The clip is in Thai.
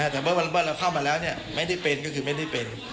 แต่เมื่อเราเข้ามาแล้วไม่ได้เป็นก็คือไม่ได้เป็น